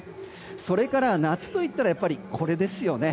それから夏といったらやっぱりこれですよね。